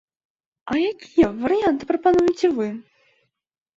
А якія варыянты прапануеце вы?